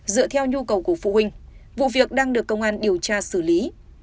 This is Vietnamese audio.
dựa theo nhu cầu của phụ huynh vụ việc đang được công an điều tra xử lý